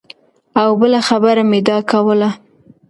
او بله خبره مې دا کوله